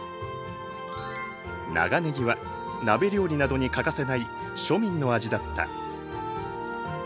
長ねぎは鍋料理などに欠かせない庶民の味だった。